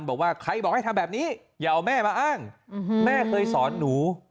บอกว่าใครบอกให้ทำแบบนี้อย่าเอาแม่มาอ้างแม่เคยสอนหนู